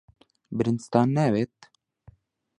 برنجتان ناوێت؟